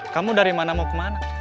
kamu dari mana mau kemana